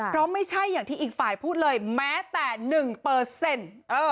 เพราะไม่ใช่อย่างที่อีกฝ่ายพูดเลยแม้แต่หนึ่งเปอร์เซ็นต์